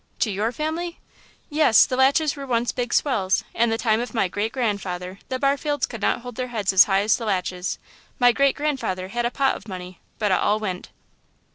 "To your family?" "Yes, the Latches were once big swells; in the time of my great grandfather the Barfields could not hold their heads as high as the Latches. My great grandfather had a pot of money, but it all went."